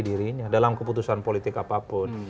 dirinya dalam keputusan politik apapun